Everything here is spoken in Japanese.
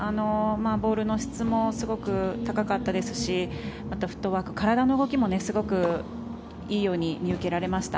ボールの質もすごく高かったですしまた、フットワーク体の動きもすごくいいように見受けられました。